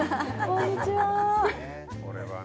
こんにちは